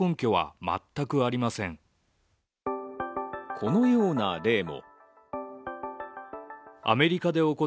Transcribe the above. このような例も。